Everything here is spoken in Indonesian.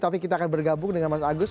tapi kita akan bergabung dengan mas agus